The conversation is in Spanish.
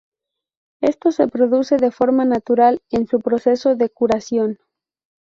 Esto se produce de forma natural en su proceso de curación.